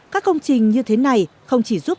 các công trình như thế này không chỉ giúp